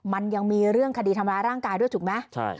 มันยังมีเรื่องคดีทำร้ายร่างกายด้วยถูกไหม